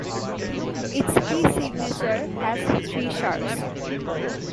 Its key signature has three sharps.